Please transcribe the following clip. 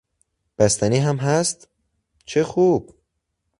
بستنی هم هست؟ چه خوب!